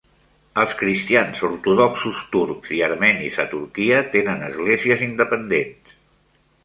Els cristians ortodoxos turcs i armenis a Turquia tenen esglésies independents.